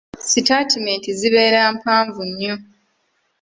Sitatimenti zibeera mpanvu nnyo.